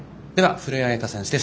古江彩佳選手です。